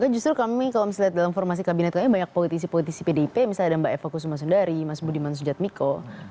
justru kami kalau misalnya dalam formasi kabinet lainnya banyak politisi politisi pdip misalnya ada mbak eva kusuma sundari mas budiman sujatmiko